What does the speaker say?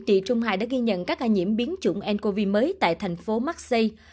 trị trung hải đã ghi nhận các ca nhiễm biến chủng ncov mới tại thành phố marseille